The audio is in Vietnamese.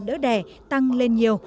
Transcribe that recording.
đỡ đẻ tăng lên nhiều